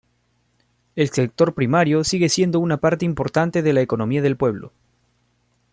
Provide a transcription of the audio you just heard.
El sector primario sigue siendo una parte importante de la economía del pueblo.